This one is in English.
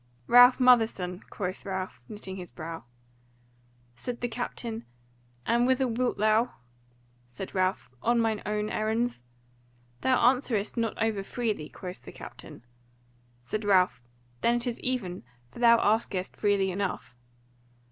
"Ralph Motherson," quoth Ralph, knitting his brow. Said the captain "And whither wilt thou?" Said Ralph, "On mine own errands." "Thou answerest not over freely," quoth the captain. Said Ralph, "Then is it even; for thou askest freely enough."